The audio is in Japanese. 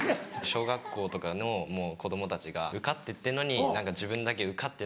小学校とかの子供たちが受かってってんのに自分だけ受かってない。